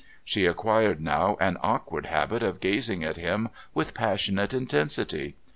She acquired now an awkward habit of gazing at him with passionate intensity.